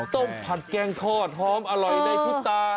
ต้องผัดแกงคอดหอมอร่อยในพุตรตา